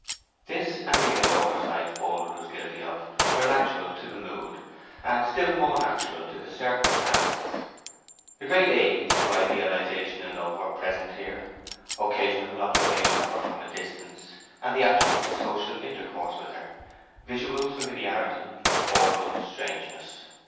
This, and the other oversights Boldwood was guilty of, were natural to the mood, and still more natural to the circumstances. The great aids to idealization in love were present here: occasional observation of her from a distance, and the absence of social intercourse with her—visual familiarity, oral strangeness.